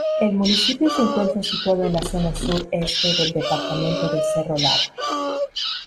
El municipio se encuentra situado en la zona sur-este del departamento de Cerro Largo.